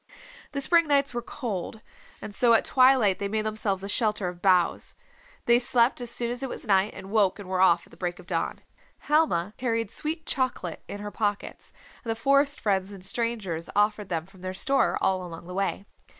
The spring nights were cold, and so at twilight they made themselves a shelter of boughs. They slept as soon as it was night and woke and were off at the break of dawn. Helma carried sweet chocolate in her pockets, and forest friends and strangers offered them from their store all along the way.